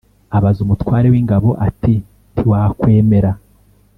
Abaza umutware w ingabo ati ntiwakwemera